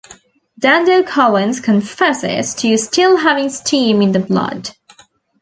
Dando-Collins confesses to still having steam in the blood.